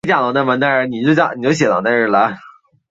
普雷斯帕湖是位于东南欧巴尔干半岛上的一个湖泊。